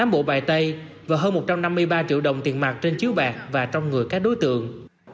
tám bộ bài tay và hơn một trăm năm mươi ba triệu đồng tiền mạc trên chiếu bạc và trong người các đối tượng